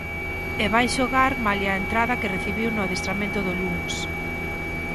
E vai xogar malia a entrada que recibiu no adestramento do luns.